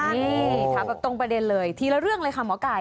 นี่ถามแบบตรงประเด็นเลยทีละเรื่องเลยค่ะหมอไก่